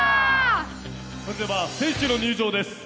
それでは、選手の入場です。